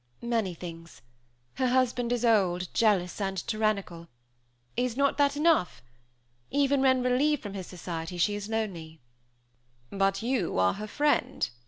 "Many things. Her husband is old, jealous, and tyrannical. Is not that enough? Even when relieved from his society, she is lonely." "But you are her friend?"